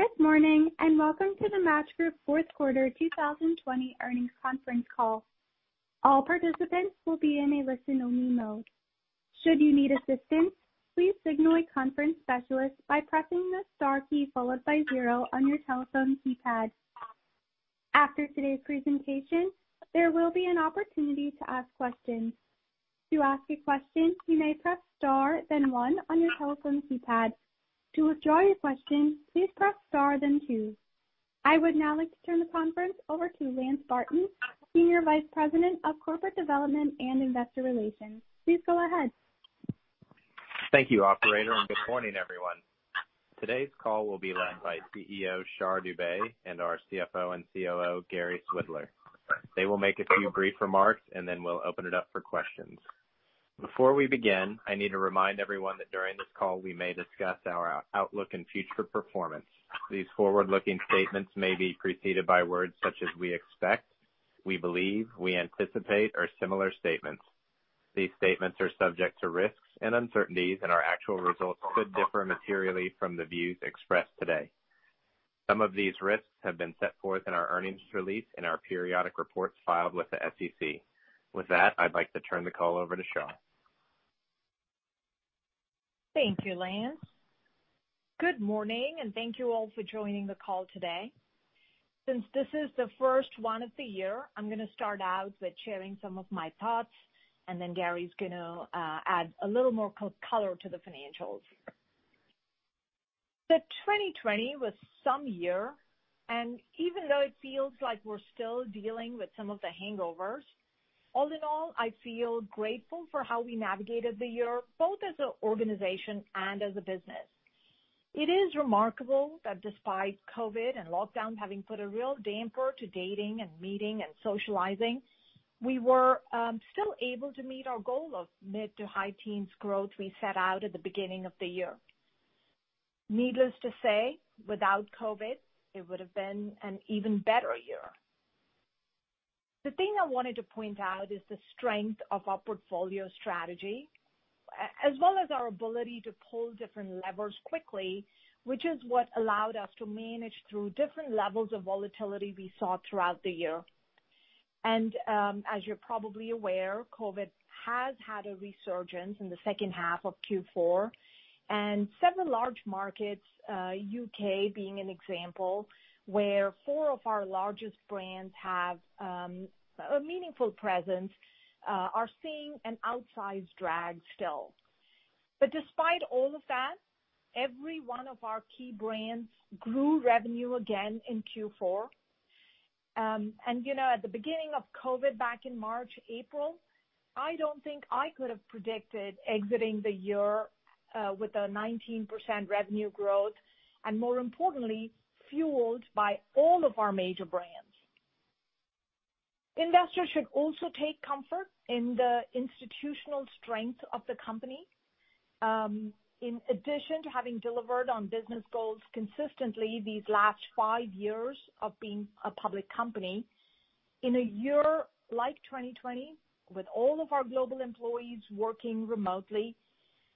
Good morning, welcome to the Match Group fourth quarter 2020 earnings conference call. I would now like to turn the conference over to Lance Barton, Senior Vice President of Corporate Development and Investor Relations. Please go ahead. Thank you, operator. Good morning, everyone. Today's call will be led by CEO Shar Dubey and our CFO and COO, Gary Swidler. They will make a few brief remarks. Then we'll open it up for questions. Before we begin, I need to remind everyone that during this call, we may discuss our outlook and future performance. These forward-looking statements may be preceded by words such as "we expect," "we believe," "we anticipate," or similar statements. These statements are subject to risks and uncertainties. Our actual results could differ materially from the views expressed today. Some of these risks have been set forth in our earnings release and our periodic reports filed with the SEC. With that, I'd like to turn the call over to Shar. Thank you, Lance. Good morning, and thank you all for joining the call today. Since this is the first one of the year, I'm going to start out with sharing some of my thoughts, and then Gary's going to add a little more color to the financials. 2020 was some year, and even though it feels like we're still dealing with some of the hangovers, all in all, I feel grateful for how we navigated the year, both as an organization and as a business. It is remarkable that despite COVID and lockdowns having put a real damper to dating and meeting and socializing, we were still able to meet our goal of mid to high teens growth we set out at the beginning of the year. Needless to say, without COVID, it would have been an even better year. The thing I wanted to point out is the strength of our portfolio strategy, as well as our ability to pull different levers quickly, which is what allowed us to manage through different levels of volatility we saw throughout the year. As you're probably aware, COVID has had a resurgence in the second half of Q4, and several large markets, U.K. being an example, where four of our largest brands have a meaningful presence, are seeing an outsized drag still. Despite all of that, every one of our key brands grew revenue again in Q4. At the beginning of COVID back in March, April, I don't think I could have predicted exiting the year with a 19% revenue growth, and more importantly, fueled by all of our major brands. Investors should also take comfort in the institutional strength of the company. In addition to having delivered on business goals consistently these last five years of being a public company, in a year like 2020, with all of our global employees working remotely,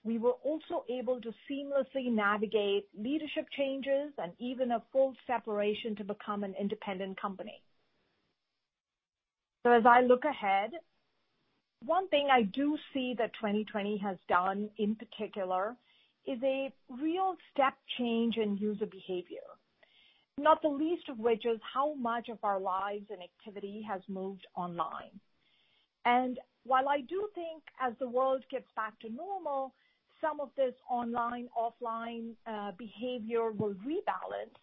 we were also able to seamlessly navigate leadership changes and even a full separation to become an independent company. As I look ahead, one thing I do see that 2020 has done in particular is a real step change in user behavior. Not the least of which is how much of our lives and activity has moved online. While I do think as the world gets back to normal, some of this online/offline behavior will rebalance,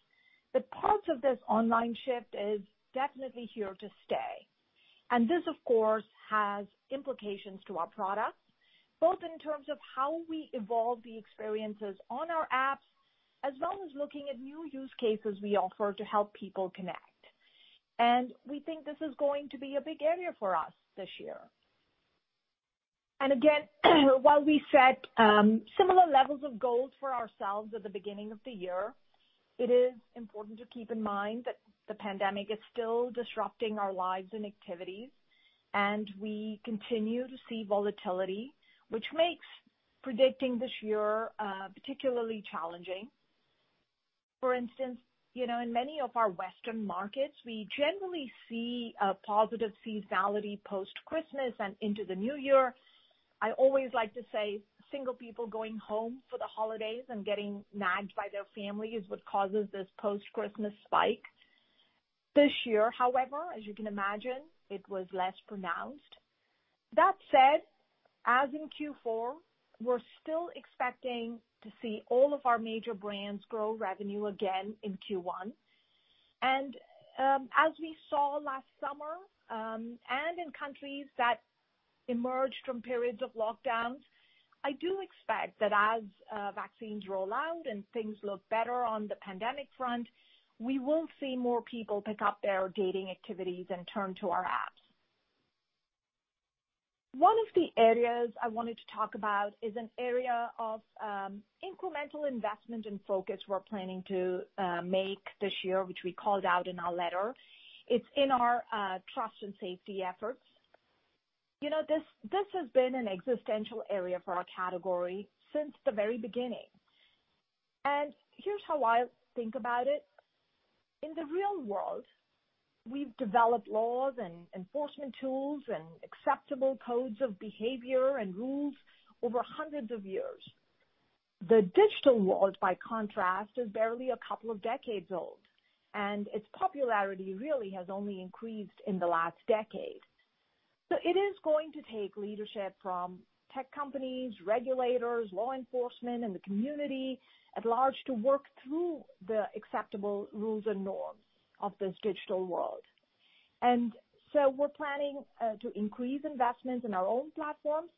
but parts of this online shift is definitely here to stay. This, of course, has implications to our products, both in terms of how we evolve the experiences on our apps, as well as looking at new use cases we offer to help people connect. We think this is going to be a big area for us this year. Again, while we set similar levels of goals for ourselves at the beginning of the year, it is important to keep in mind that the pandemic is still disrupting our lives and activities, and we continue to see volatility, which makes predicting this year particularly challenging. For instance, in many of our Western markets, we generally see a positive seasonality post-Christmas and into the new year. I always like to say single people going home for the holidays and getting nagged by their family is what causes this post-Christmas spike. This year, however, as you can imagine, it was less pronounced. That said, as in Q4, we're still expecting to see all of our major brands grow revenue again in Q1. As we saw last summer, and in countries that emerged from periods of lockdowns, I do expect that as vaccines roll out and things look better on the pandemic front, we will see more people pick up their dating activities and turn to our apps. One of the areas I wanted to talk about is an area of incremental investment and focus we're planning to make this year, which we called out in our letter. It's in our trust and safety efforts. This has been an existential area for our category since the very beginning. Here's how I think about it. In the real world, we've developed laws and enforcement tools and acceptable codes of behavior and rules over hundreds of years. The digital world, by contrast, is barely a couple of decades old, and its popularity really has only increased in the last decade. It is going to take leadership from tech companies, regulators, law enforcement, and the community at large to work through the acceptable rules and norms of this digital world. We're planning to increase investments in our own platforms,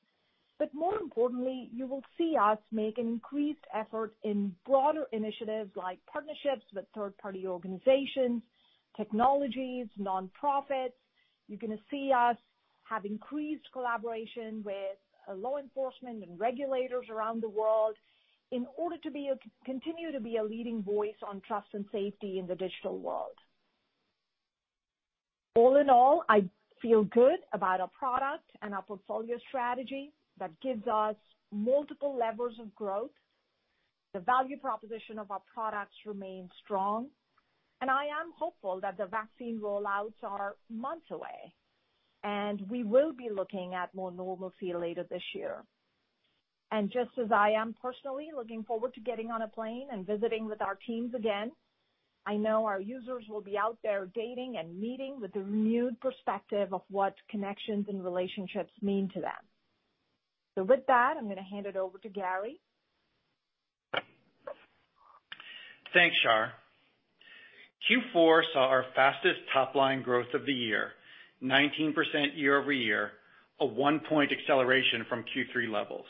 but more importantly, you will see us make an increased effort in broader initiatives like partnerships with third-party organizations, technologies, nonprofits. You're going to see us have increased collaboration with law enforcement and regulators around the world in order to continue to be a leading voice on trust and safety in the digital world. All in all, I feel good about our product and our portfolio strategy that gives us multiple levers of growth. The value proposition of our products remains strong. I am hopeful that the vaccine roll-outs are months away, and we will be looking at more normalcy later this year. Just as I am personally looking forward to getting on a plane and visiting with our teams again, I know our users will be out there dating and meeting with a renewed perspective of what connections and relationships mean to them. With that, I'm going to hand it over to Gary. Thanks, Shar. Q4 saw our fastest top-line growth of the year, 19% year-over-year, a one-point acceleration from Q3 levels.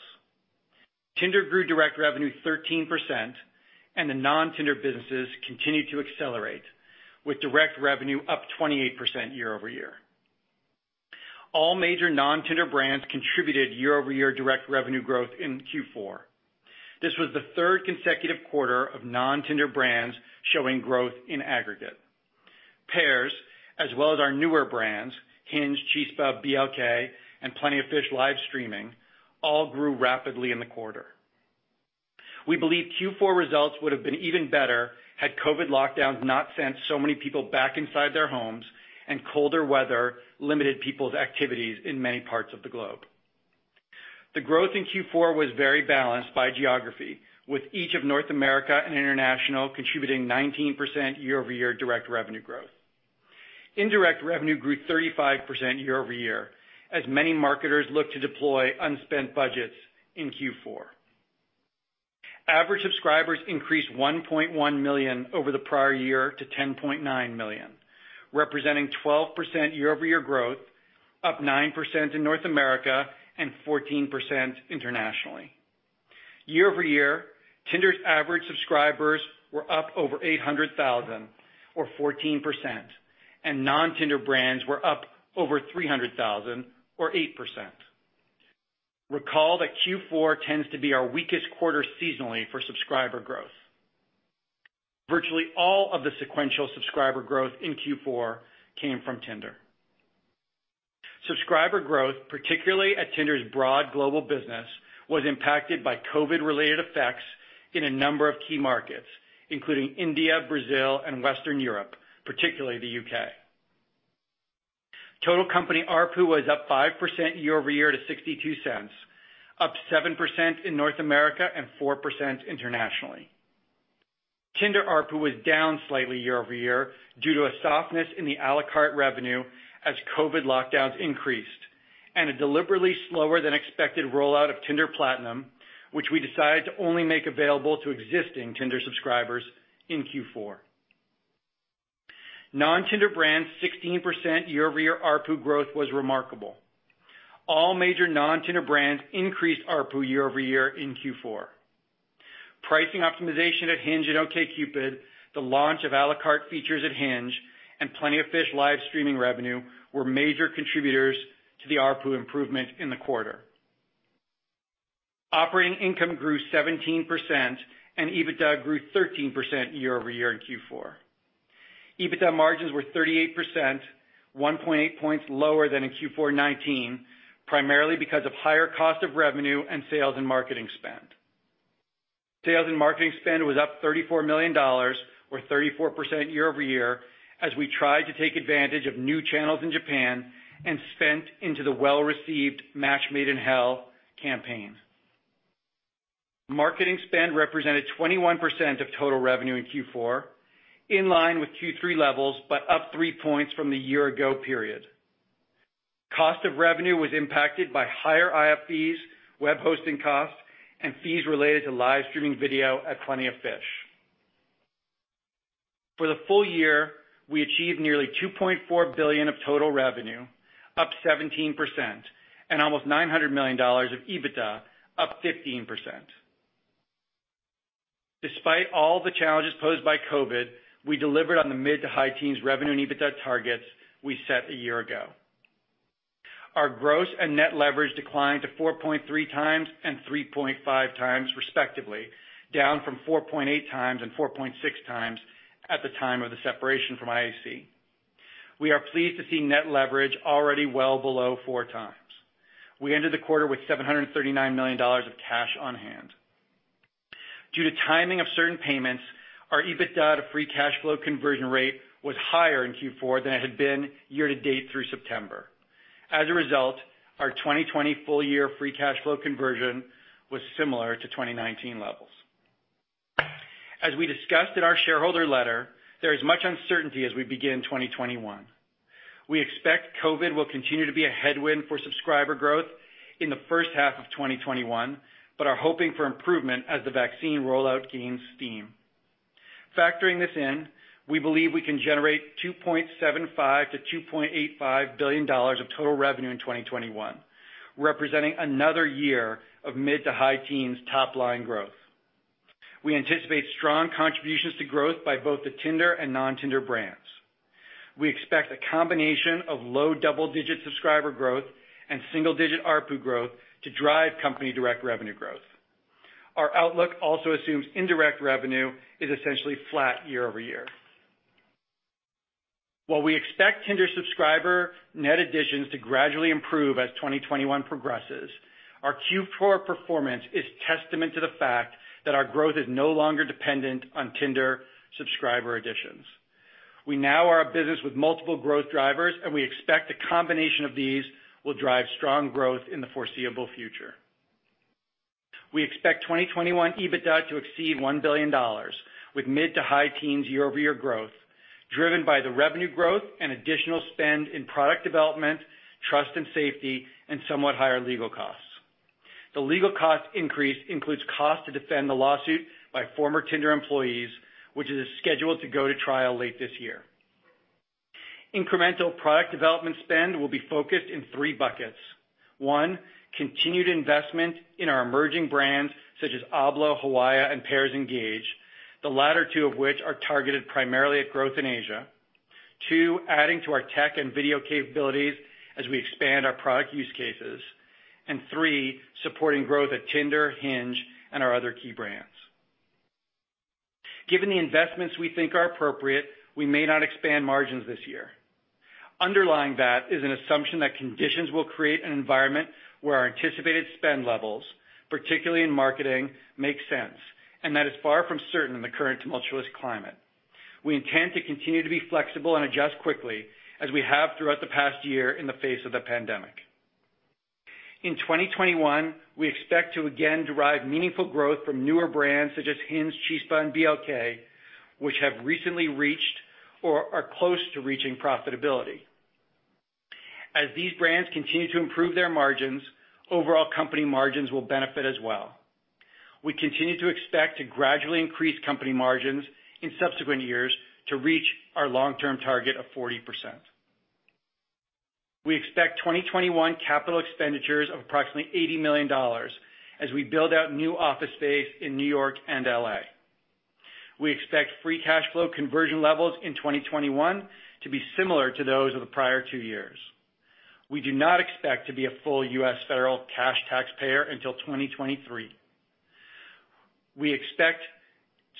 Tinder grew direct revenue 13%, and the non-Tinder businesses continued to accelerate with direct revenue up 28% year-over-year. All major non-Tinder brands contributed year-over-year direct revenue growth in Q4. This was the third consecutive quarter of non-Tinder brands showing growth in aggregate. Pairs, as well as our newer brands, Hinge, Chispa, BLK, and Plenty of Fish Live Streaming, all grew rapidly in the quarter. We believe Q4 results would have been even better had COVID lockdowns not sent so many people back inside their homes and colder weather limited people's activities in many parts of the globe. The growth in Q4 was very balanced by geography, with each of North America and international contributing 19% year-over-year direct revenue growth. Indirect revenue grew 35% year-over-year, as many marketers looked to deploy unspent budgets in Q4. Average subscribers increased 1.1 million over the prior year to 10.9 million, representing 12% year-over-year growth, up 9% in North America and 14% internationally. Year-over-year, Tinder's average subscribers were up over 800,000 or 14%, and non-Tinder brands were up over 300,000 or 8%. Recall that Q4 tends to be our weakest quarter seasonally for subscriber growth. Virtually all of the sequential subscriber growth in Q4 came from Tinder. Subscriber growth, particularly at Tinder's broad global business, was impacted by COVID-related effects in a number of key markets, including India, Brazil, and Western Europe, particularly the U.K. Total company ARPU was up 5% year-over-year to $0.62, up 7% in North America and 4% internationally. Tinder ARPU was down slightly year-over-year due to a softness in the à la carte revenue as COVID lockdowns increased and a deliberately slower than expected rollout of Tinder Platinum, which we decided to only make available to existing Tinder subscribers in Q4. Non-Tinder brands' 16% year-over-year ARPU growth was remarkable. All major non-Tinder brands increased ARPU year-over-year in Q4. Pricing optimization at Hinge and OkCupid, the launch of à la carte features at Hinge, and Plenty of Fish live streaming revenue were major contributors to the ARPU improvement in the quarter. Operating income grew 17%, EBITDA grew 13% year-over-year in Q4. EBITDA margins were 38%, 1.8 points lower than in Q4 2019, primarily because of higher cost of revenue and sales and marketing spend. Sales and marketing spend was up $34 million, or 34% year-over-year, as we tried to take advantage of new channels in Japan and spent into the well-received Match Made in Hell campaign. Marketing spend represented 21% of total revenue in Q4, in line with Q3 levels, but up three points from the year-ago period. Cost of revenue was impacted by higher IAP fees, web hosting costs, and fees related to live streaming video at Plenty of Fish. For the full year, we achieved nearly $2.4 billion of total revenue, up 17%, and almost $900 million of EBITDA, up 15%. Despite all the challenges posed by COVID, we delivered on the mid to high teens revenue and EBITDA targets we set a year ago. Our gross and net leverage declined to 4.3x and 3.5x, respectively, down from 4.8x and 4.6x at the time of the separation from IAC. We are pleased to see net leverage already well below 4x. We ended the quarter with $739 million of cash on hand. Due to timing of certain payments, our EBITDA to free cash flow conversion rate was higher in Q4 than it had been year-to-date through September. As a result, our 2020 full year free cash flow conversion was similar to 2019 levels. As we discussed in our shareholder letter, there is much uncertainty as we begin 2021. We expect COVID will continue to be a headwind for subscriber growth in the first half of 2021, but are hoping for improvement as the vaccine rollout gains steam. Factoring this in, we believe we can generate $2.75 billion-$2.85 billion of total revenue in 2021, representing another year of mid-to-high teens top line growth. We anticipate strong contributions to growth by both the Tinder and non-Tinder brands. We expect a combination of low double-digit subscriber growth and single-digit ARPU growth to drive company direct revenue growth. Our outlook also assumes indirect revenue is essentially flat year-over-year. While we expect Tinder subscriber net additions to gradually improve as 2021 progresses, our Q4 performance is testament to the fact that our growth is no longer dependent on Tinder subscriber additions. We now are a business with multiple growth drivers, and we expect a combination of these will drive strong growth in the foreseeable future. We expect 2021 EBITDA to exceed $1 billion, with mid to high teens year-over-year growth, driven by the revenue growth and additional spend in product development, trust and safety, and somewhat higher legal costs. The legal cost increase includes costs to defend the lawsuit by former Tinder employees, which is scheduled to go to trial late this year. Incremental product development spend will be focused in three buckets. One, continued investment in our emerging brands such as Ablo, Hawaya, and Pairs Engage, the latter two of which are targeted primarily at growth in Asia. Two, adding to our tech and video capabilities as we expand our product use cases. Three, supporting growth at Tinder, Hinge, and our other key brands. Given the investments we think are appropriate, we may not expand margins this year. Underlying that is an assumption that conditions will create an environment where our anticipated spend levels, particularly in marketing, make sense, and that is far from certain in the current tumultuous climate. We intend to continue to be flexible and adjust quickly as we have throughout the past year in the face of the pandemic. In 2021, we expect to again derive meaningful growth from newer brands such as Hinge, Chispa, and BLK, which have recently reached or are close to reaching profitability. As these brands continue to improve their margins, overall company margins will benefit as well. We continue to expect to gradually increase company margins in subsequent years to reach our long-term target of 40%. We expect 2021 capital expenditures of approximately $80 million as we build out new office space in New York and L.A. We expect free cash flow conversion levels in 2021 to be similar to those of the prior two years. We do not expect to be a full U.S. federal cash taxpayer until 2023. We expect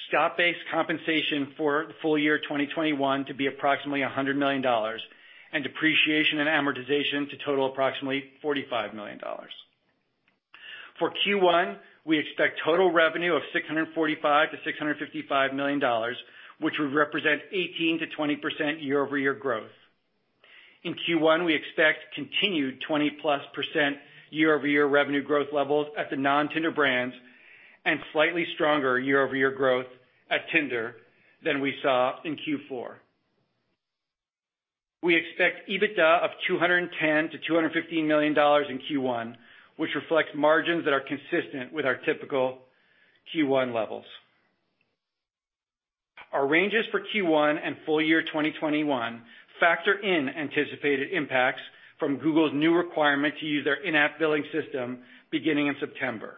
stock-based compensation for the full year 2021 to be approximately $100 million, and depreciation and amortization to total approximately $45 million. For Q1, we expect total revenue of $645 million-$655 million, which would represent 18%-20% year-over-year growth. In Q1, we expect continued 20%+ year-over-year revenue growth levels at the non-Tinder brands, and slightly stronger year-over-year growth at Tinder than we saw in Q4. We expect EBITDA of $210 million-$215 million in Q1, which reflects margins that are consistent with our typical Q1 levels. Our ranges for Q1 and full year 2021 factor in anticipated impacts from Google's new requirement to use their in-app billing system beginning in September.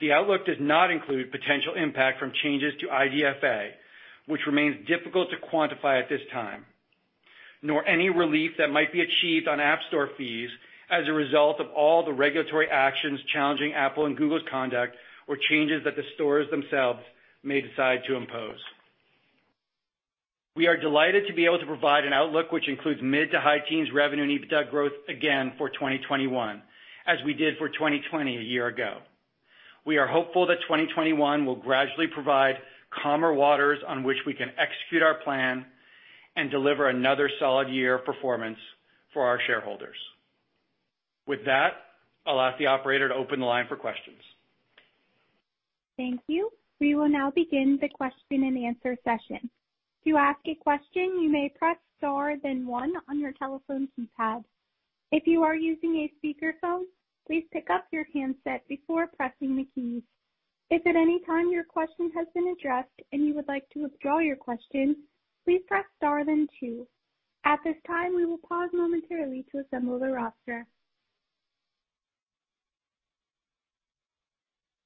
The outlook does not include potential impact from changes to IDFA, which remains difficult to quantify at this time, nor any relief that might be achieved on App Store fees as a result of all the regulatory actions challenging Apple and Google's conduct or changes that the stores themselves may decide to impose. We are delighted to be able to provide an outlook which includes mid to high teens revenue and EBITDA growth again for 2021, as we did for 2020 a year ago. We are hopeful that 2021 will gradually provide calmer waters on which we can execute our plan and deliver another solid year of performance for our shareholders. With that, I'll ask the operator to open the line for questions. Thank you. We will now begin the question and answer session. To ask a question, you may press star then one on your telephone keypad. If you are using a speakerphone, please pick up your handset before pressing the keys. If at any time your question has been addressed and you would like to withdraw your question, please press star then two. At this time, we will pause momentarily to assemble the roster.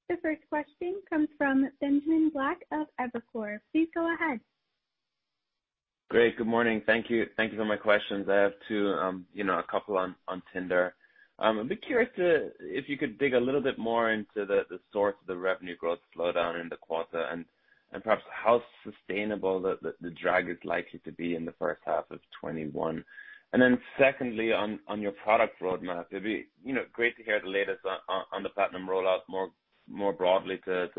The first question comes from Benjamin Black of Evercore. Please go ahead. Great. Good morning. Thank you. Thank you for my questions. I have two, a couple on Tinder. I'd be curious to if you could dig a little bit more into the source of the revenue growth slowdown. The quarter, and perhaps how sustainable the drag is likely to be in the first half of 2021. Secondly, on your product roadmap, it'd be great to hear the latest on the Platinum rollout more broadly to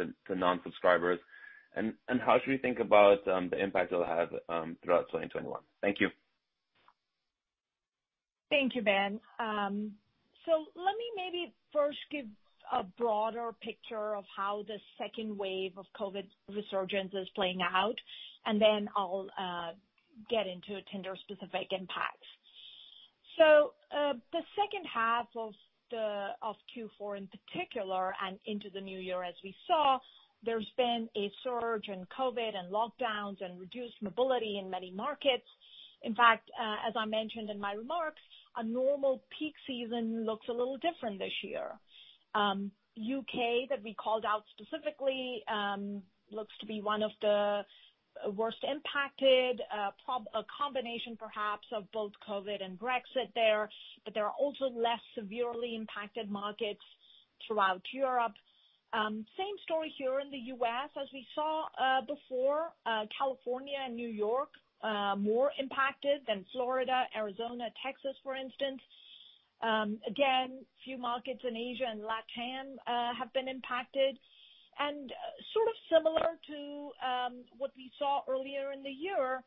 non-subscribers. How should we think about the impact it'll have throughout 2021? Thank you. Thank you, Ben. Let me maybe first give a broader picture of how the second wave of COVID resurgence is playing out, and then I'll get into Tinder specific impacts. The second half of Q4 in particular, and into the new year, as we saw, there's been a surge in COVID and lockdowns and reduced mobility in many markets. In fact, as I mentioned in my remarks, a normal peak season looks a little different this year. U.K., that we called out specifically, looks to be one of the worst impacted. A combination perhaps of both COVID and Brexit there, but there are also less severely impacted markets throughout Europe. Same story here in the U.S., as we saw before, California and New York, more impacted than Florida, Arizona, Texas, for instance. Again, a few markets in Asia and LATAM have been impacted. Sort of similar to what we saw earlier in the year,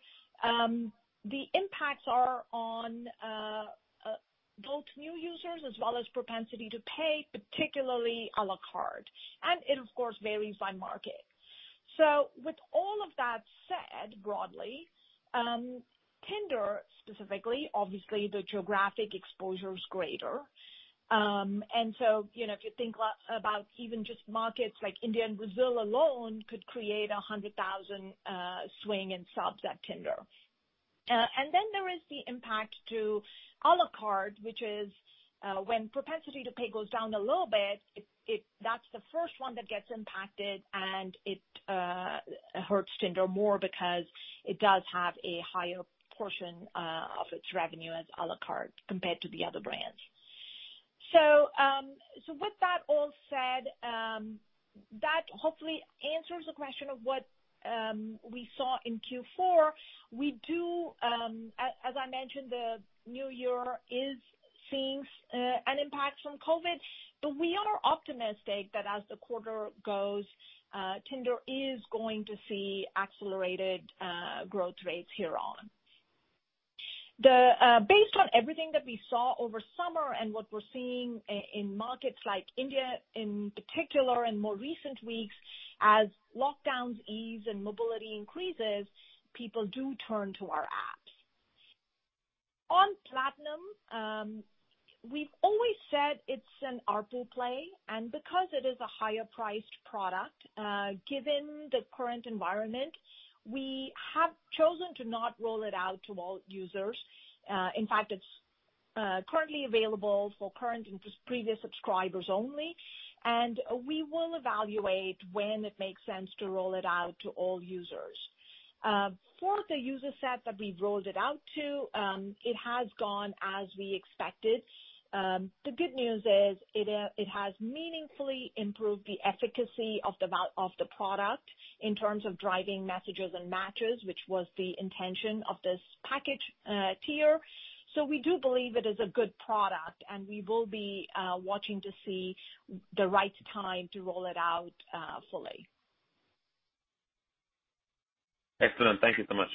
the impacts are on both new users as well as propensity to pay, particularly à la carte. It, of course, varies by market. With all of that said, broadly, Tinder specifically, obviously the geographic exposure is greater. If you think about even just markets like India and Brazil alone, could create 100,000 swing in subs at Tinder. Then there is the impact to à la carte, which is when propensity to pay goes down a little bit, that's the first one that gets impacted, and it hurts Tinder more because it does have a higher portion of its revenue as à la carte compared to the other brands. With that all said, that hopefully answers the question of what we saw in Q4. We do, as I mentioned, the new year is seeing an impact from COVID. We are optimistic that as the quarter goes, Tinder is going to see accelerated growth rates here on. Based on everything that we saw over summer and what we're seeing in markets like India in particular, in more recent weeks, as lockdowns ease and mobility increases, people do turn to our apps. On Platinum, we've always said it's an ARPU play. Because it is a higher priced product, given the current environment, we have chosen to not roll it out to all users. In fact, it's currently available for current and previous subscribers only. We will evaluate when it makes sense to roll it out to all users. For the user set that we've rolled it out to, it has gone as we expected. The good news is it has meaningfully improved the efficacy of the product in terms of driving messages and matches, which was the intention of this package tier. We do believe it is a good product and we will be watching to see the right time to roll it out fully. Excellent. Thank you so much.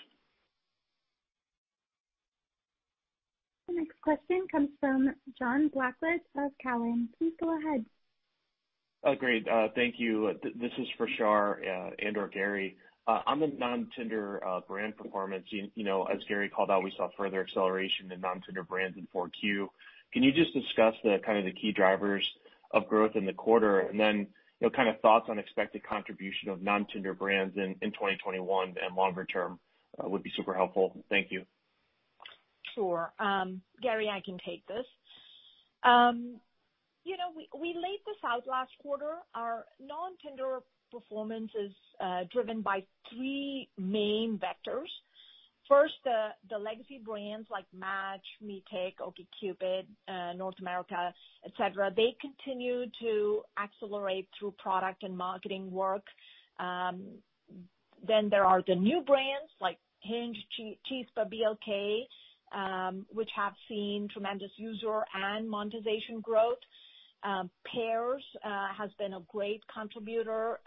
The next question comes from John Blackledge of Cowen. Please go ahead. Great. Thank you. This is for Shar and/or Gary. On the non-Tinder brand performance, as Gary called out, we saw further acceleration in non-Tinder brands in 4Q. Can you just discuss the key drivers of growth in the quarter, thoughts on expected contribution of non-Tinder brands in 2021 and longer term would be super helpful. Thank you. Sure. Gary, I can take this. We laid this out last quarter. Our non-Tinder performance is driven by three main vectors. First, the legacy brands like Match, Meetic, OkCupid, North America, et cetera, they continue to accelerate through product and marketing work. There are the new brands like Hinge, Chispa, BLK, which have seen tremendous user and monetization growth. Pairs has been a great contributor.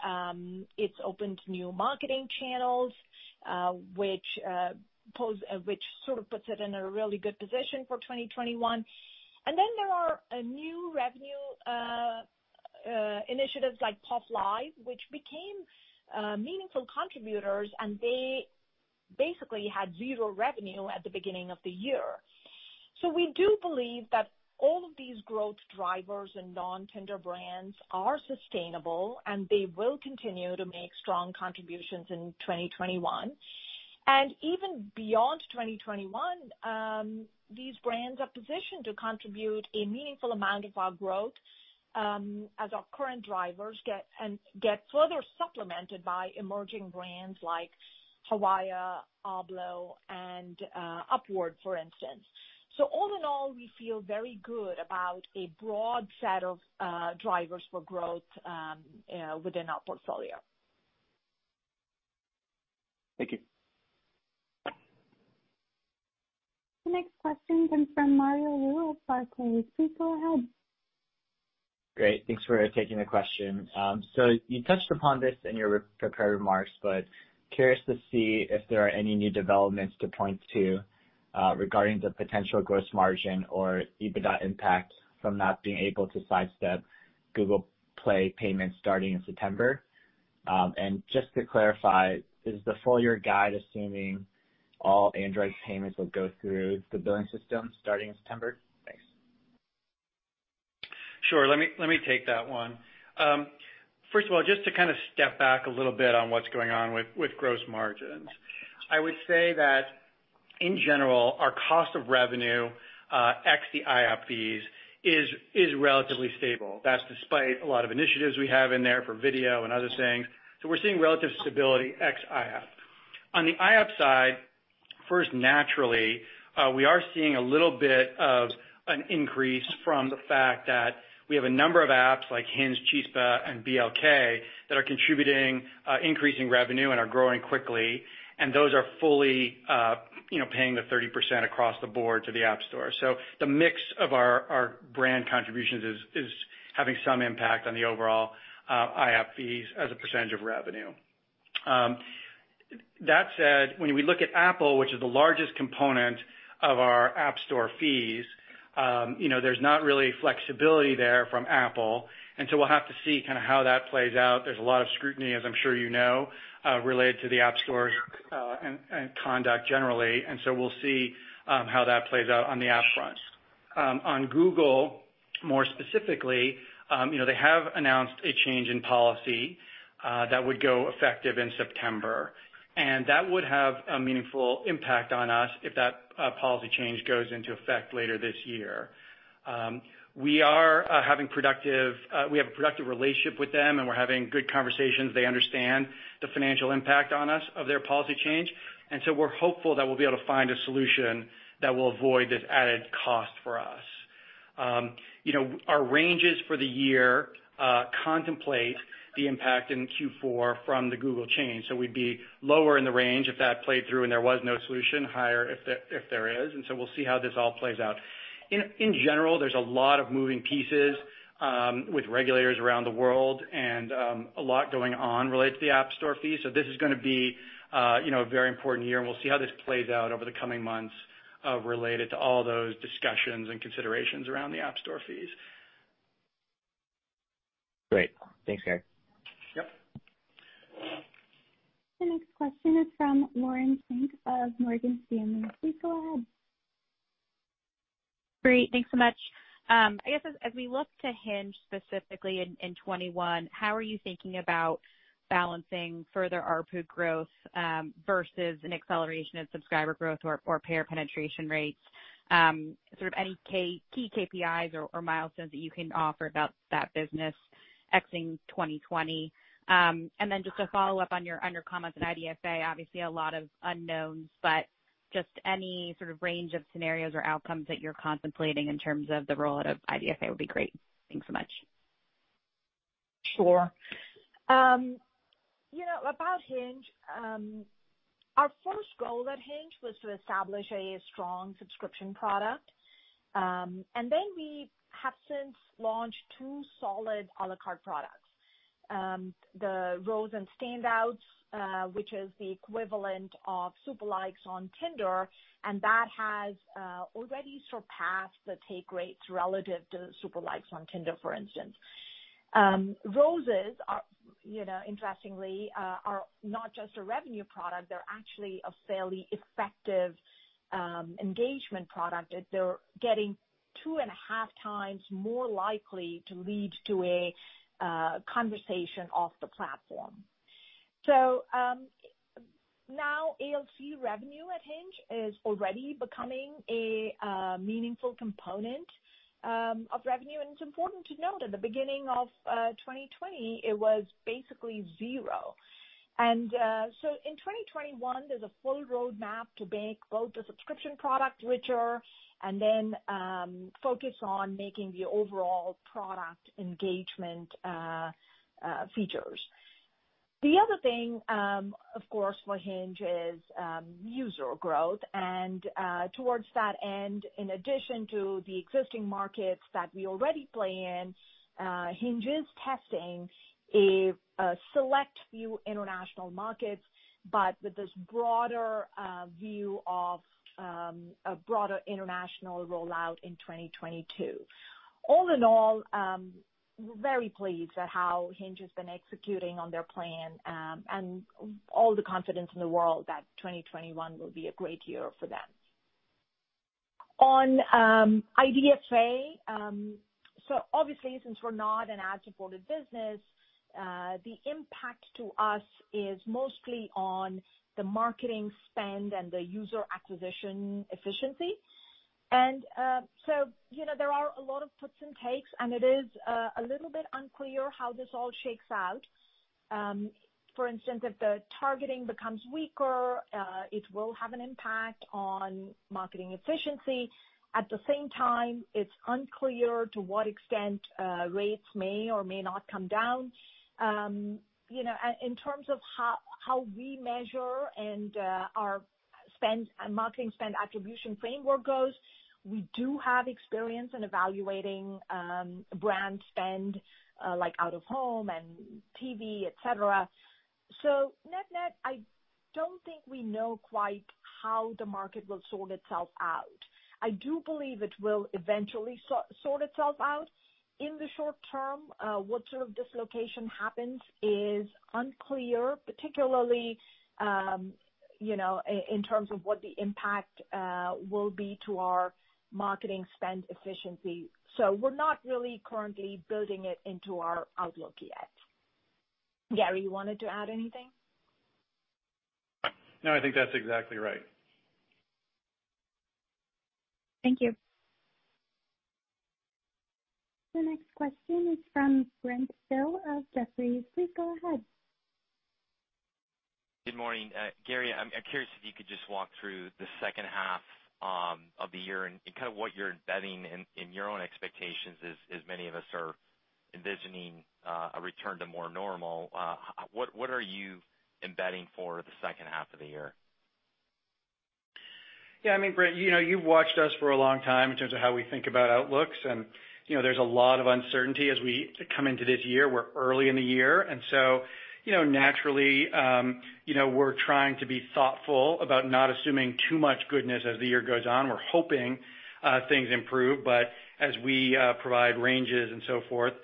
It's opened new marketing channels, which sort of puts it in a really good position for 2021. There are new revenue initiatives like POF Live, which became meaningful contributors, and they basically had zero revenue at the beginning of the year. We do believe that all of these growth drivers in non-Tinder brands are sustainable, and they will continue to make strong contributions in 2021. Even beyond 2021, these brands are positioned to contribute a meaningful amount of our growth as our current drivers get further supplemented by emerging brands like Hawaya, Ablo, and Upward, for instance. All in all, we feel very good about a broad set of drivers for growth within our portfolio. Thank you. The next question comes from Mario Lu of Barclays. Please go ahead. Great. Thanks for taking the question. You touched upon this in your prepared remarks, but curious to see if there are any new developments to point to regarding the potential gross margin or EBITDA impact from not being able to sidestep Google Play payments starting in September. Just to clarify, is the full year guide assuming all Android payments will go through the billing system starting in September? Thanks. Sure. Let me take that one. First of all, just to step back a little bit on what's going on with gross margins. I would say that in general, our cost of revenue ex the IAP fees is relatively stable. That's despite a lot of initiatives we have in there for video and other things. We're seeing relative stability ex-IAP. On the IAP side, first, naturally, we are seeing a little bit of an increase from the fact that we have a number of apps like Hinge, Chispa, and BLK that are contributing increasing revenue and are growing quickly, and those are fully paying the 30% across the board to the App Store. The mix of our brand contributions is having some impact on the overall IAP fees as a percentage of revenue. That said, when we look at Apple, which is the largest component of our App Store fees, there's not really flexibility there from Apple, and so we'll have to see how that plays out. There's a lot of scrutiny, as I'm sure you know, related to the App Store and conduct generally, and so we'll see how that plays out on the app front. On Google, more specifically, they have announced a change in policy that would go effective in September, and that would have a meaningful impact on us if that policy change goes into effect later this year. We have a productive relationship with them, and we're having good conversations. They understand the financial impact on us of their policy change, and so we're hopeful that we'll be able to find a solution that will avoid this added cost for us. Our ranges for the year contemplate the impact in Q4 from the Google change. We'd be lower in the range if that played through and there was no solution, higher if there is. We'll see how this all plays out. In general, there's a lot of moving pieces with regulators around the world and a lot going on related to the App Store fees. This is going to be a very important year, and we'll see how this plays out over the coming months related to all those discussions and considerations around the App Store fees. Great. Thanks, Gary. Yep. The next question is from Lauren Schenk of Morgan Stanley. Please go ahead. Great. Thanks so much. I guess as we look to Hinge specifically in 2021, how are you thinking about balancing further ARPU growth versus an acceleration in subscriber growth or payer penetration rates? Sort of any key KPIs or milestones that you can offer about that business exing 2020. Then just a follow-up on your under comments on IDFA. Obviously, a lot of unknowns, just any sort of range of scenarios or outcomes that you're contemplating in terms of the rollout of IDFA would be great. Thanks so much. Sure. About Hinge, our first goal at Hinge was to establish a strong subscription product. Then we have since launched two solid a la carte products. The Rose and Standouts, which is the equivalent of Super Likes on Tinder, that has already surpassed the take rates relative to Super Likes on Tinder, for instance. Roses, interestingly, are not just a revenue product. They're actually a fairly effective engagement product. They're getting two and a half times more likely to lead to a conversation off the platform. Now, ALC revenue at Hinge is already becoming a meaningful component of revenue, it's important to note at the beginning of 2020, it was basically zero. In 2021, there's a full roadmap to make both the subscription product richer and then focus on making the overall product engagement features. The other thing, of course, for Hinge is user growth. Towards that end, in addition to the existing markets that we already play in, Hinge is testing a select few international markets, but with this broader view of a broader international rollout in 2022. All in all, we're very pleased at how Hinge has been executing on their plan, and all the confidence in the world that 2021 will be a great year for them. On IDFA, obviously since we're not an ad-supported business, the impact to us is mostly on the marketing spend and the user acquisition efficiency. There are a lot of puts and takes, and it is a little bit unclear how this all shakes out. For instance, if the targeting becomes weaker, it will have an impact on marketing efficiency. At the same time, it's unclear to what extent rates may or may not come down. In terms of how we measure and our marketing spend attribution framework goes, we do have experience in evaluating brand spend, like out of home and TV, et cetera. Net-net, I don't think we know quite how the market will sort itself out. I do believe it will eventually sort itself out. In the short term, what sort of dislocation happens is unclear, particularly in terms of what the impact will be to our marketing spend efficiency. We're not really currently building it into our outlook yet. Gary, you wanted to add anything? No, I think that's exactly right. Thank you. The next question is from Brent Thill of Jefferies. Please go ahead. Good morning. Gary, I'm curious if you could just walk through the second half of the year and kind of what you're embedding in your own expectations as many of us are envisioning a return to more normal. What are you embedding for the second half of the year? Yeah, Brent, you've watched us for a long time in terms of how we think about outlooks. There's a lot of uncertainty as we come into this year. We're early in the year. Naturally, we're trying to be thoughtful about not assuming too much goodness as the year goes on. We're hoping things improve. As we provide ranges and so forth,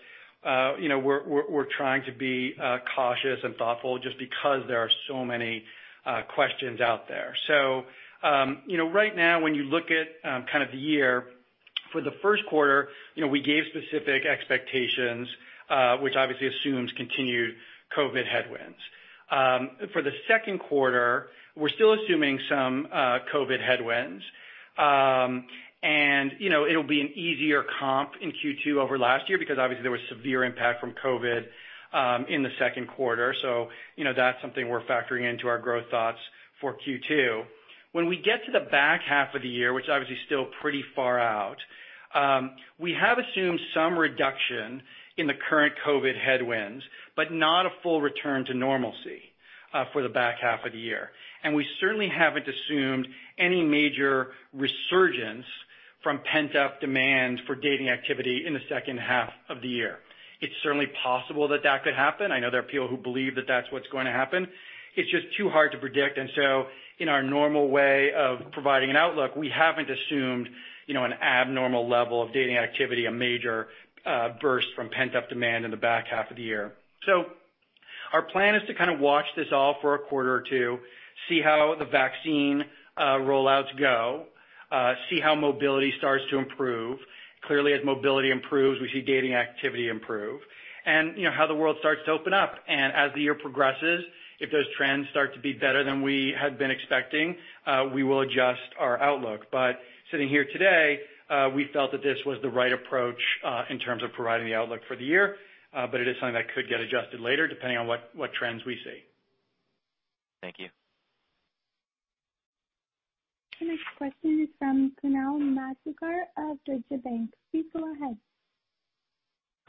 we're trying to be cautious and thoughtful just because there are so many questions out there. Right now, when you look at the year, for the first quarter, we gave specific expectations, which obviously assumes continued COVID headwinds. For the second quarter, we're still assuming some COVID headwinds. It'll be an easier comp in Q2 over last year because obviously there was severe impact from COVID in the second quarter. That's something we're factoring into our growth thoughts for Q2. When we get to the back half of the year, which obviously is still pretty far out, we have assumed some reduction in the current COVID headwinds, but not a full return to normalcy for the back half of the year. We certainly haven't assumed any major resurgence from pent-up demand for dating activity in the second half of the year. It's certainly possible that that could happen. I know there are people who believe that that's what's going to happen. It's just too hard to predict, in our normal way of providing an outlook, we haven't assumed an abnormal level of dating activity, a major burst from pent-up demand in the back half of the year. Our plan is to kind of watch this all for a quarter or two, see how the vaccine rollouts go, see how mobility starts to improve. Clearly, as mobility improves, we see dating activity improve, and how the world starts to open up. As the year progresses, if those trends start to be better than we had been expecting, we will adjust our outlook. Sitting here today, we felt that this was the right approach, in terms of providing the outlook for the year. It is something that could get adjusted later, depending on what trends we see. Thank you. The next question is from Kunal Madhukar of Deutsche Bank. Please go ahead.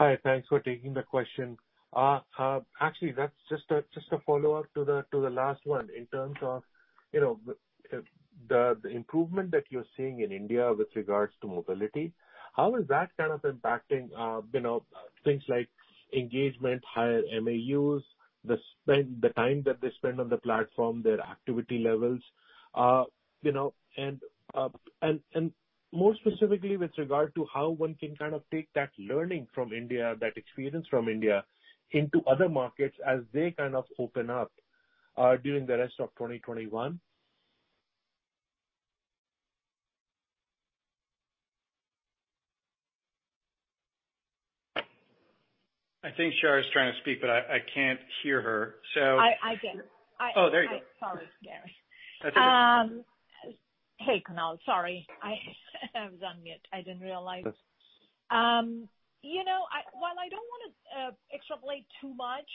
Hi. Thanks for taking the question. Actually, that's just a follow-up to the last one in terms of the improvement that you're seeing in India with regards to mobility. How is that kind of impacting things like engagement, higher MAUs, the time that they spend on the platform, their activity levels? More specifically, with regard to how one can kind of take that learning from India, that experience from India, into other markets as they kind of open up during the rest of 2021? I think Shar is trying to speak, but I can't hear her. I did. Oh, there you go. Sorry, Gary. That's okay. Hey, Kunal. Sorry. I was on mute. I didn't realize. That's okay. While I don't want to extrapolate too much,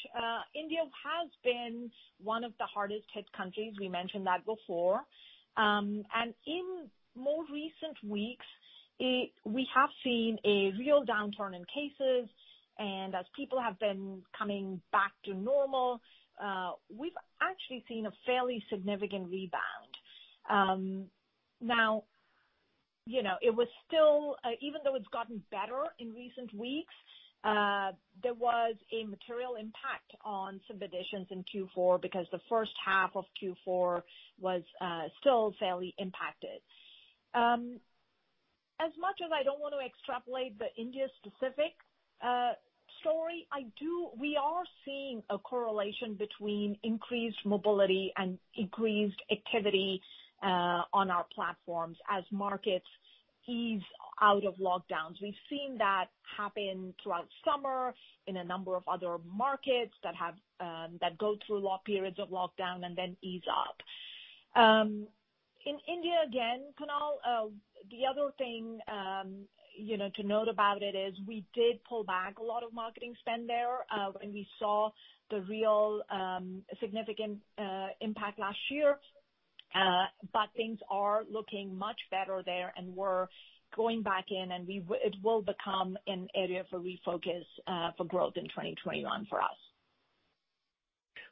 India has been one of the hardest hit countries. We mentioned that before. In more recent weeks, we have seen a real downturn in cases. As people have been coming back to normal, we've actually seen a fairly significant rebound. Now, even though it's gotten better in recent weeks, there was a material impact on some additions in Q4 because the first half of Q4 was still fairly impacted. As much as I don't want to extrapolate the India specific story, we are seeing a correlation between increased mobility and increased activity on our platforms as markets ease out of lockdowns. We've seen that happen throughout summer in a number of other markets that go through long periods of lockdown and then ease up. In India again, Kunal, the other thing to note about it is we did pull back a lot of marketing spend there when we saw the real significant impact last year. Things are looking much better there, and we're going back in, and it will become an area for refocus for growth in 2021 for us.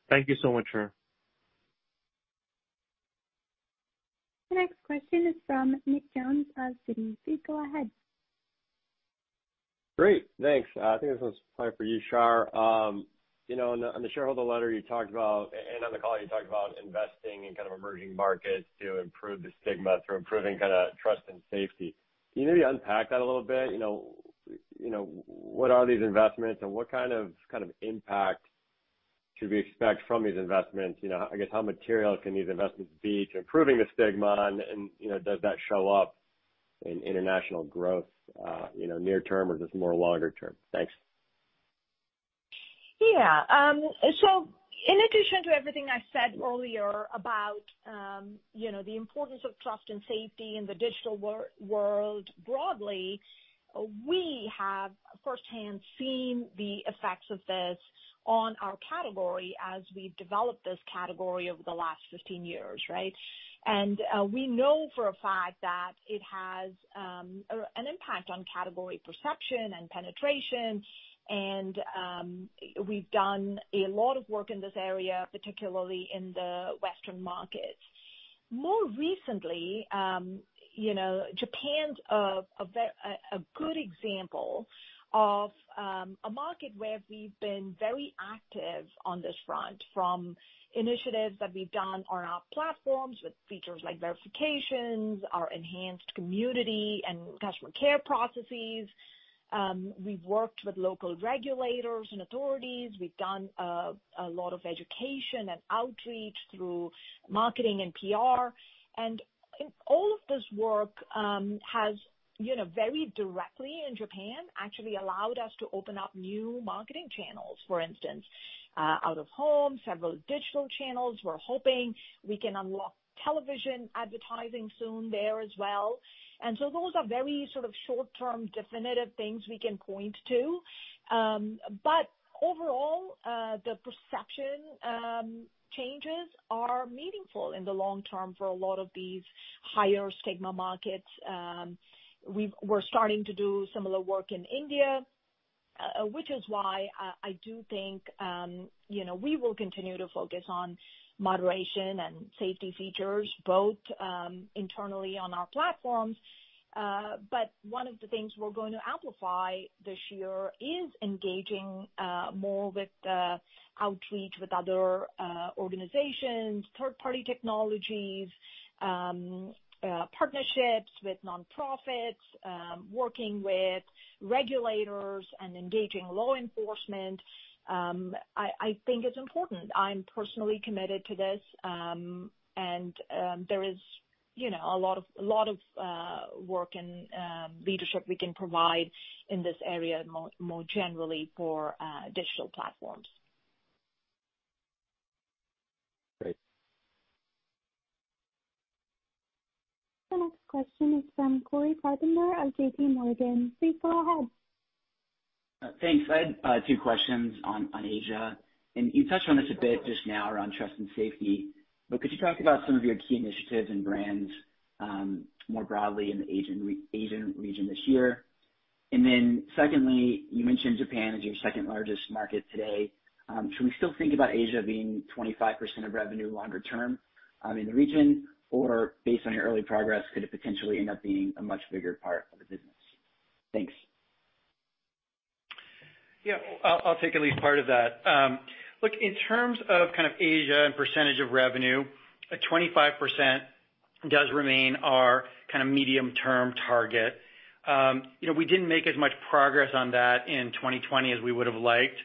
Thank you so much, Shar. The next question is from Nick Jones of Citi. Please go ahead. Great. Thanks. I think this one's probably for you, Shar. In the shareholder letter you talked about, on the call you talked about investing in emerging markets to improve the stigma through improving trust and safety. Can you maybe unpack that a little bit? What are these investments, what kind of impact should we expect from these investments? I guess how material can these investments be to improving the stigma, does that show up in international growth near term or just more longer term? Thanks. In addition to everything I said earlier about the importance of trust and safety in the digital world broadly, we have firsthand seen the effects of this on our category as we've developed this category over the last 15 years, right? We know for a fact that it has an impact on category perception and penetration, and we've done a lot of work in this area, particularly in the Western markets. More recently, Japan's a good example of a market where we've been very active on this front, from initiatives that we've done on our platforms with features like verifications, our enhanced community and customer care processes. We've worked with local regulators and authorities. We've done a lot of education and outreach through marketing and PR. All of this work has very directly in Japan actually allowed us to open up new marketing channels, for instance, out of home, several digital channels. We're hoping we can unlock television advertising soon there as well. Those are very sort of short-term definitive things we can point to. Overall, the perception changes are meaningful in the long term for a lot of these higher stigma markets. We're starting to do similar work in India, which is why I do think we will continue to focus on moderation and safety features, both internally on our platforms. One of the things we're going to amplify this year is engaging more with the outreach with other organizations, third-party technologies, partnerships with nonprofits, working with regulators, and engaging law enforcement. I think it's important. I'm personally committed to this, and there is a lot of work and leadership we can provide in this area more generally for digital platforms. Great. The next question is from Cory Carpenter of JPMorgan. Please go ahead. Thanks. I had two questions on Asia, and you touched on this a bit just now around trust and safety. Could you talk about some of your key initiatives and brands more broadly in the Asian region this year? Secondly, you mentioned Japan as your second largest market today. Should we still think about Asia being 25% of revenue longer term in the region, or based on your early progress, could it potentially end up being a much bigger part of the business? Thanks. Yeah. I'll take at least part of that. Look, in terms of Asia and percentage of revenue, 25% does remain our medium-term target. We didn't make as much progress on that in 2020 as we would've liked.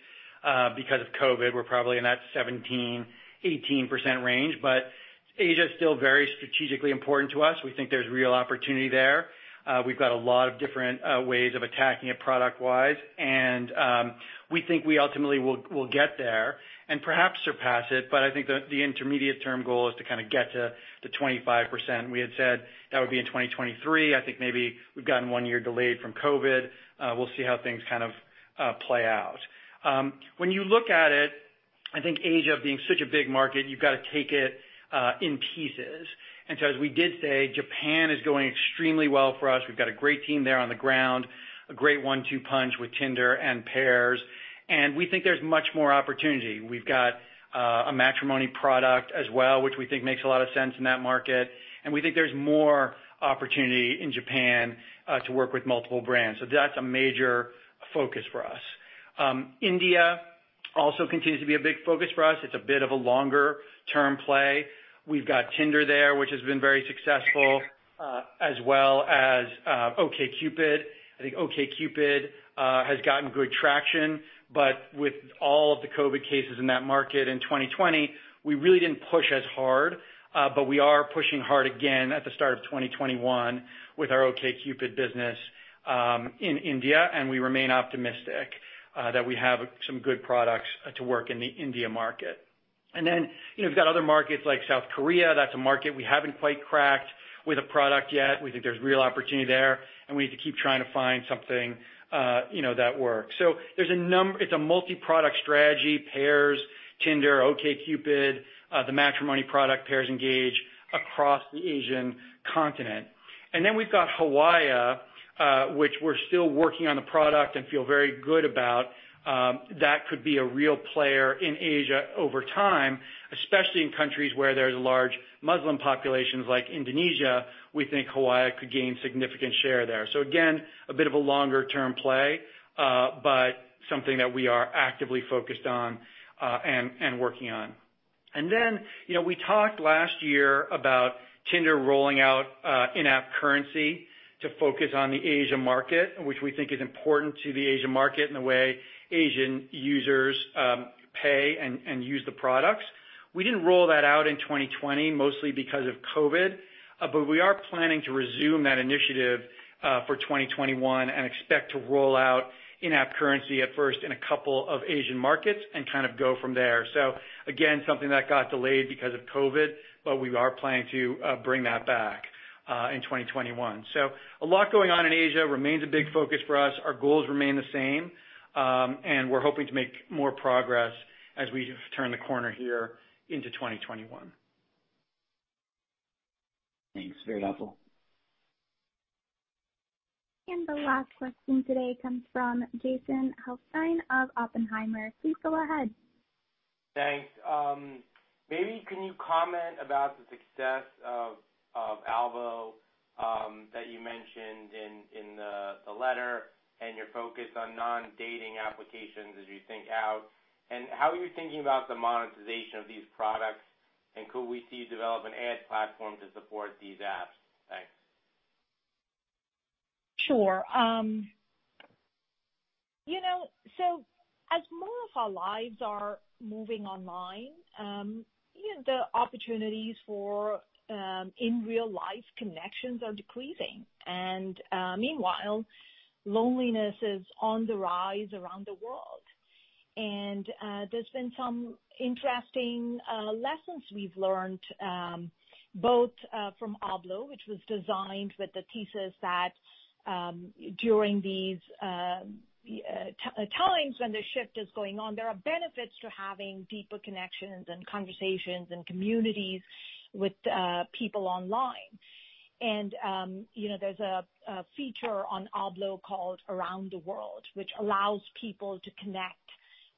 Because of COVID, we're probably in that 17%-18% range, but Asia is still very strategically important to us. We think there's real opportunity there. We've got a lot of different ways of attacking it product wise, and we think we ultimately will get there and perhaps surpass it. I think the intermediate term goal is to get to the 25%. We had said that would be in 2023. I think maybe we've gotten one year delayed from COVID. We'll see how things play out. When you look at it, I think Asia being such a big market, you've got to take it in pieces. As we did say, Japan is going extremely well for us. We've got a great team there on the ground, a great one-two punch with Tinder and Pairs, and we think there's much more opportunity. We've got a matrimony product as well, which we think makes a lot of sense in that market, and we think there's more opportunity in Japan to work with multiple brands. That's a major focus for us. India also continues to be a big focus for us. It's a bit of a longer-term play. We've got Tinder there, which has been very successful, as well as OkCupid. I think OkCupid has gotten good traction, but with all of the COVID cases in that market in 2020, we really didn't push as hard. We are pushing hard again at the start of 2021 with our OkCupid business in India, and we remain optimistic that we have some good products to work in the India market. We've got other markets like South Korea. That's a market we haven't quite cracked with a product yet. We think there's real opportunity there, and we need to keep trying to find something that works. It's a multi-product strategy, Pairs, Tinder, OkCupid, the matrimony product, Pairs Engage, across the Asian continent. We've got Hawaya, which we're still working on the product and feel very good about. That could be a real player in Asia over time, especially in countries where there's large Muslim populations like Indonesia. We think Hawaya could gain significant share there. Again, a bit of a longer-term play, but something that we are actively focused on and working on. We talked last year about Tinder rolling out in-app currency to focus on the Asian market, which we think is important to the Asian market and the way Asian users pay and use the products. We didn't roll that out in 2020, mostly because of COVID, but we are planning to resume that initiative for 2021 and expect to roll out in-app currency at first in a couple of Asian markets and kind of go from there. Again, something that got delayed because of COVID, but we are planning to bring that back in 2021. A lot going on in Asia, remains a big focus for us. Our goals remain the same. We're hoping to make more progress as we turn the corner here into 2021. Thanks. Very helpful. The last question today comes from Jason Helfstein of Oppenheimer. Please go ahead. Thanks. Maybe can you comment about the success of Ablo that you mentioned in the letter and your focus on non-dating applications as you think out, and how are you thinking about the monetization of these products, and could we see you develop an ad platform to support these apps? Thanks. Sure. As more of our lives are moving online, the opportunities for in-real-life connections are decreasing, and meanwhile, loneliness is on the rise around the world. There's been some interesting lessons we've learned, both from Ablo, which was designed with the thesis that during these times when the shift is going on, there are benefits to having deeper connections and conversations and communities with people online. There's a feature on Ablo called Around the World, which allows people to connect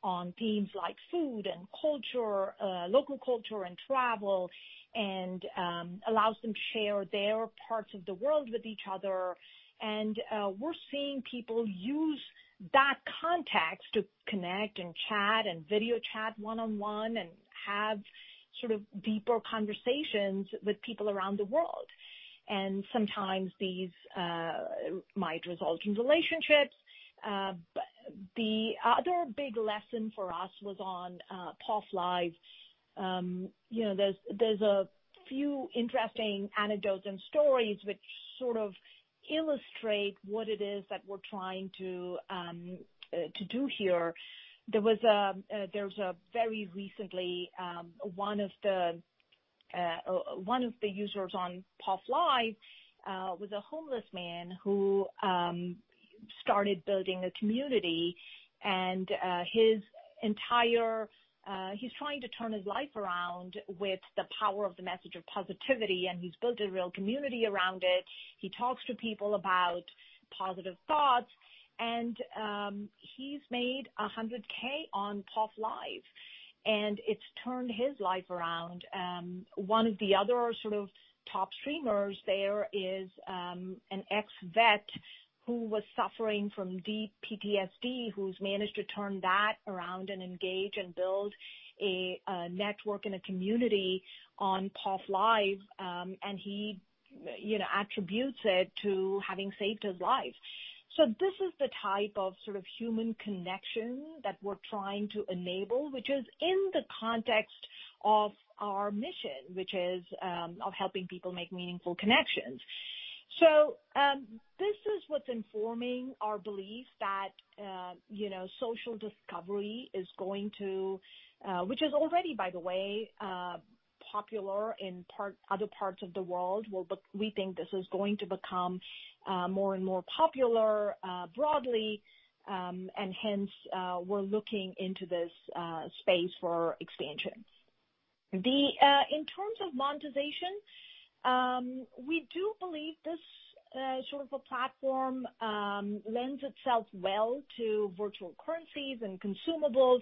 on themes like food and culture, local culture and travel, and allows them to share their parts of the world with each other. We're seeing people use that context to connect and chat and video chat one-on-one and have sort of deeper conversations with people around the world. Sometimes these might result in relationships. The other big lesson for us was on POF Live. There's a few interesting anecdotes and stories which sort of illustrate what it is that we're trying to do here. There was very recently one of the users on POF Live was a homeless man who started building a community, and he's trying to turn his life around with the power of the message of positivity, and he's built a real community around it. He talks to people about positive thoughts, he's made $100K on POF Live, and it's turned his life around. One of the other sort of top streamers there is an ex vet who was suffering from deep PTSD, who's managed to turn that around and engage and build a network and a community on POF Live, he attributes it to having saved his life. This is the type of human connection that we're trying to enable, which is in the context of our mission, which is of helping people make meaningful connections. This is what's informing our belief that social discovery, which is already, by the way, popular in other parts of the world. We think this is going to become more and more popular broadly, and hence, we're looking into this space for expansion. In terms of monetization, we do believe this sort of a platform lends itself well to virtual currencies and consumables,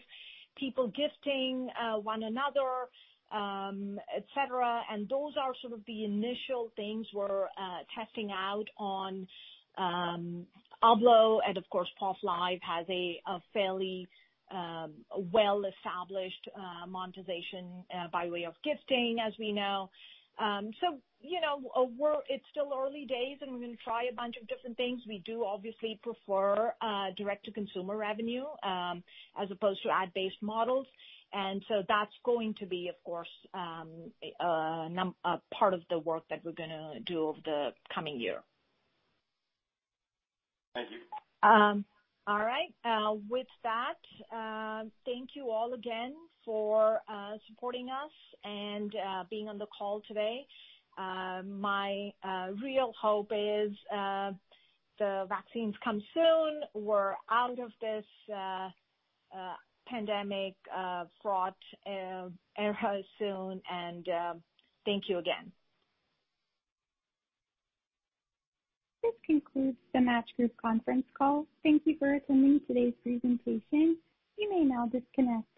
people gifting one another, et cetera, and those are sort of the initial things we're testing out on Ablo. Of course, POF Live has a fairly well-established monetization by way of gifting, as we know. It's still early days, and we're going to try a bunch of different things. We do obviously prefer direct-to-consumer revenue as opposed to ad-based models. That's going to be, of course, part of the work that we're going to do over the coming year. Thank you. All right. With that, thank you all again for supporting us and being on the call today. My real hope is the vaccines come soon, we're out of this pandemic fraught era soon, and thank you again. This concludes the Match Group conference call. Thank you for attending today's presentation. You may now disconnect.